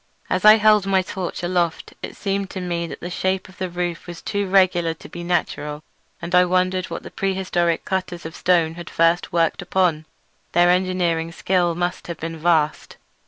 As I held my torch aloft it seemed to me that the shape of the roof was too regular to be natural, and I wondered what the prehistoric cutters of stone had first worked upon. Their engineering skill must have been vast.